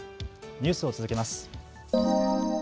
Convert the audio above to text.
ニュースを続けます。